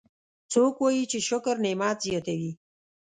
څوک وایي چې شکر نعمت زیاتوي